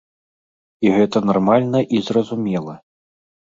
І гэта нармальна і зразумела.